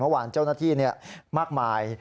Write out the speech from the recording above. เมื่อวานเจ้าหน้าที่เนี่ยมากมาย